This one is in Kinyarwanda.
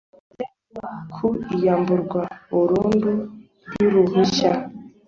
bye ku iyamburwa burundu ry uruhushya